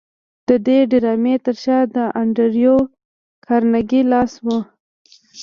د دې ډرامې تر شا د انډریو کارنګي لاس و